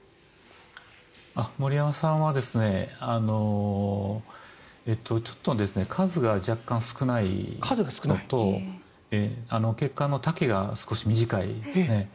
森山さんはちょっと数が若干少ないのと血管の丈が少し短いですね。